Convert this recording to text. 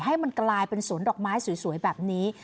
ให้มันกลายเป็นสวนดอกไม้สวยแบบนี้